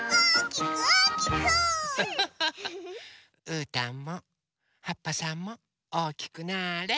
うーたんもはっぱさんもおおきくなぁれ。